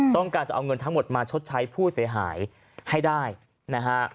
ต้องการจะเอาเงินทั้งหมดมาชดใช้ผู้เสียหายให้ได้นะฮะ